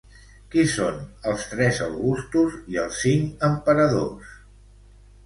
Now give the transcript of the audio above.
Qui són els tres augustos i els cinc emperadors?